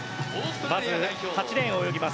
まず８レーンを泳ぎます